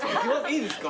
いいですか？